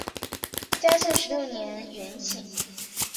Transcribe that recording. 嘉庆十六年园寝。